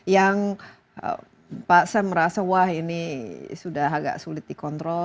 yang pak sam merasa wah ini sudah agak sulit dikontrol